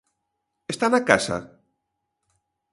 Está na casa?